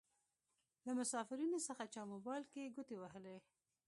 له مسافرينو څخه چا موبايل کې ګوتې وهلې.